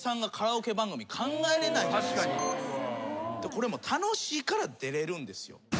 これ楽しいから出られるんですよ。